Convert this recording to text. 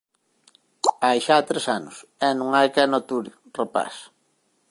Hai xa tres anos, e non hai quen o ature, rapaz.